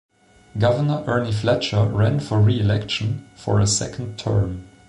Governor Ernie Fletcher ran for reelection for a second term.